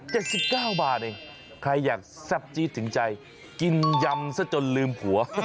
สิบเก้าบาทเองใครอยากแซ่บจี๊ดถึงใจกินยำซะจนลืมผัว